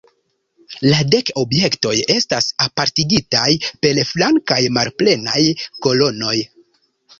La dek objektoj estas apartigitaj per flankaj malplenaj kolonoj.